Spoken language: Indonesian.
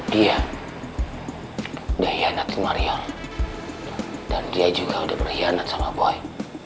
dia udah hianatin wario dan dia juga udah berhianat sama boy